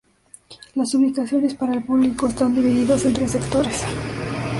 Las ubicaciones para el público están divididos en tres sectores.